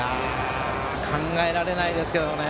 考えられないですけどね。